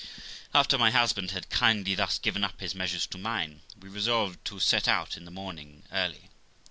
After my husband had kindly thus given up his measures to mine, we resolved to set out in the morning early.